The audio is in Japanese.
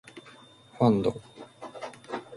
ファンド